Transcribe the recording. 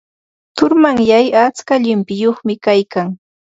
Turumanyay atska llimpiyuqmi kaykan.